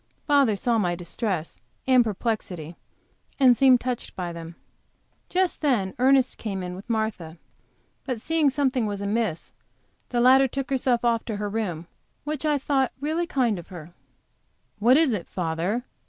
Father saw my distress and perplexity, and seemed touched by them. Just then Ernest came in with Martha, but seeing that something was amiss, the latter took herself off to her room, which I thought really kind of her. "What is it, father?